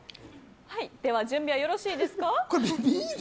では準備はよろしいですか？